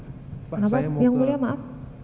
kenapa yang mulia maaf